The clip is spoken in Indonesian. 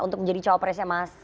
untuk menjadi jawa pres ya mas